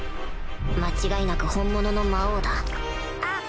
間違いなく本物の魔王だあっ。